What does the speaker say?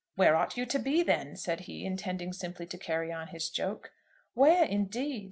"Where ought you to be, then?" said he, intending simply to carry on his joke. "Where indeed!